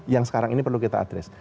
yang sekarang ini perlu kita addres